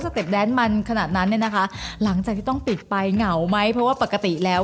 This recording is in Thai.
เต็ปแดนมันขนาดนั้นเนี่ยนะคะหลังจากที่ต้องปิดไปเหงาไหมเพราะว่าปกติแล้ว